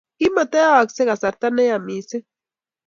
Kimatayaaksei kasarta ne yaa missing'.